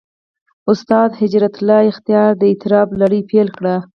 استاد هجرت الله اختیار د «اعتراف» لړۍ پېل کړې.